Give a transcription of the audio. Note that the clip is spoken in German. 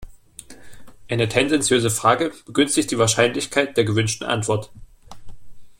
Eine tendenziöse Frage begünstigt die Wahrscheinlichkeit der gewünschten Antwort.